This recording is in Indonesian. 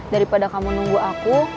daripada kamu nunggu aku